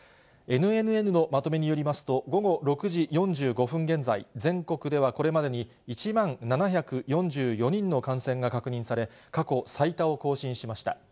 ＮＮＮのまとめによりますと、午後６時４５分現在、全国ではこれまでに１万７４４人の感染が確認され、過去最多を更新しました。